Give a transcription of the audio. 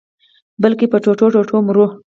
بلکي په ټوټو-ټوټو مرو